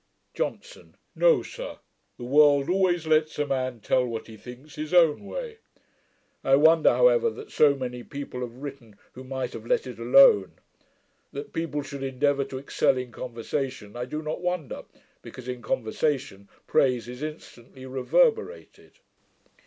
JOHNSON. 'No, sir. The world always lets a man tell what he thinks, his own way. I wonder however, that so many people have written, who might have let it alone. That people should endeavour to excel in conversation, I do not wonder; because in conversation praise is instantly reverberated.'